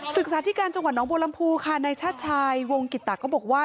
ศึกษาธิการจังหวัดน้องบัวลำพูค่ะในชาติชายวงกิตะก็บอกว่า